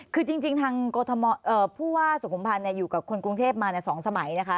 คือจริงทางผู้ว่าสุขุมพันธ์อยู่กับคนกรุงเทพมา๒สมัยนะคะ